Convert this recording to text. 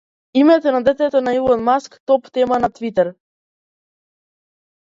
Името на детето на Илон Маск топ тема на Твитер